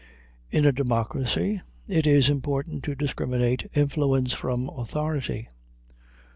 In a democracy, it is important to discriminate influence from authority.